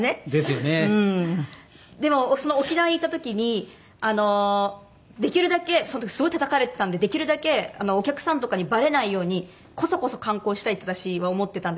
でもその沖縄に行った時にできるだけその時すごいたたかれてたんでできるだけお客さんとかにバレないようにコソコソ観光したいって私は思ってたんですよ。